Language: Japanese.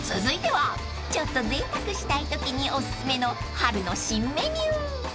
［続いてはちょっとぜいたくしたいときにおすすめの春の新メニュー］